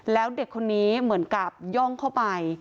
แล้วเด็กคนนี้เหมือนกับย่องเข้าไป